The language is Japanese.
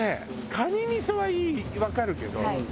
カニ味噌はわかるけど私も。